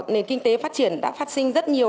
nền kinh tế phát triển đã phát sinh rất nhiều